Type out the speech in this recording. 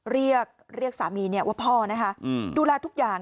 เรียกเรียกสามีว่าพ่อนะคะดูแลทุกอย่าง